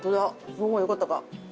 その方がよかったか。